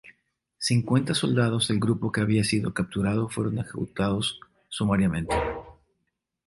Cincuenta soldados del grupo que había sido capturado fueron ejecutados sumariamente.